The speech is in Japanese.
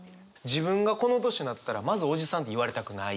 自分がこの年になったらまずおじさんって言われたくない。